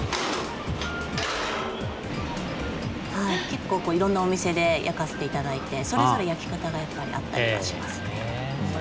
結構いろんなお店で焼かせて頂いてそれぞれ焼き方がやっぱりあったりとかしますね。